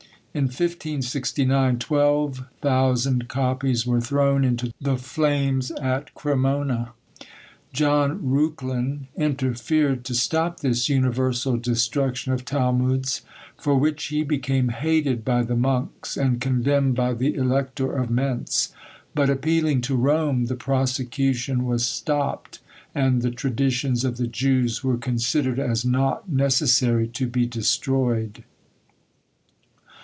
In 1569 twelve thousand copies were thrown into the flames at Cremona. John Reuchlin interfered to stop this universal destruction of Talmuds; for which he became hated by the monks, and condemned by the Elector of Mentz, but appealing to Rome, the prosecution was stopped; and the traditions of the Jews were considered as not necessary to be destroyed.